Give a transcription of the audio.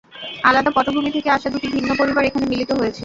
আলাদা পটভূমি থেকে আসা দুটি ভিন্ন পরিবার এখানে মিলিত হয়েছে।